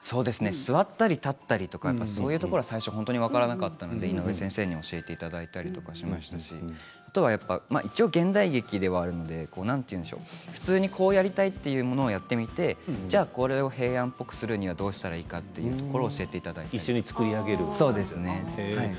座ったり立ったりそういうところは最初は分からなかったんで井上先生に教えてもらったりしましたしあとは現代劇ではあるので普通にこうやりたいというものをやってみてじゃあこれを平安ぽくするにはどうしたらいいかというところを教えていただきました。